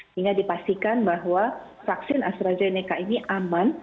sehingga dipastikan bahwa vaksin astrazeneca ini aman